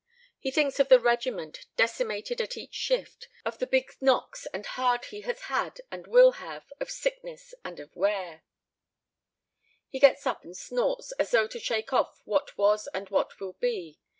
He thinks of the regiment, decimated at each shift; of the big knocks and hard he has had and will have, of sickness, and of wear He gets up and snorts, as though to shake off what was and what will be.